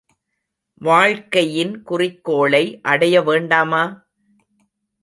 வாழ்க்கையின் குறிக்கோளை அடைய வேண்டாமா?